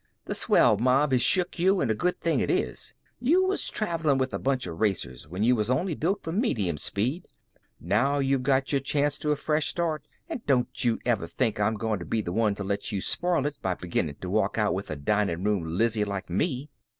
Th' swell mob has shook you, an' a good thing it is. You was travelin' with a bunch of racers, when you was only built for medium speed. Now you're got your chance to a fresh start and don't you ever think I'm going to be the one to let you spoil it by beginnin' to walk out with a dinin' room Lizzie like me."